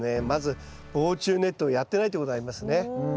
まず防虫ネットをやってないってことがありますね。